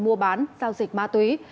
mua bán giao dịch ma túy